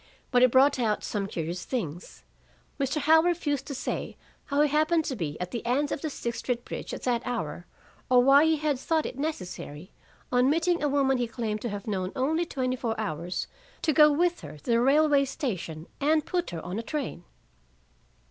But it brought out some curious things. Mr. Howell refused to say how he happened to be at the end of the Sixth Street bridge at that hour, or why he had thought it necessary, on meeting a woman he claimed to have known only twenty four hours, to go with her to the railway station and put her on a train.